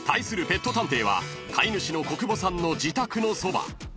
ペット探偵は飼い主の小久保さんの自宅のそば］